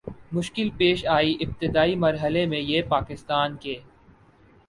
مشکل پیش آئی ابتدائی مر حلے میں یہ پاکستان کے